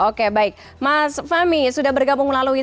oke baik mas famy sudah bergabung lagi dengan kita